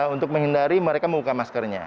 untuk menghindari mereka membuka maskernya